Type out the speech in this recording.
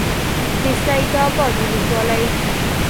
د سید آباد ولسوالۍ